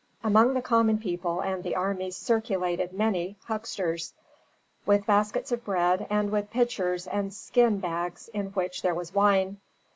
Among the common people and the army circulated many hucksters, with baskets of bread and with pitchers and skin bags in which there was wine.